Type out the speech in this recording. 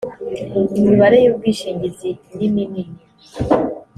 imibare y ubwishingizi niminini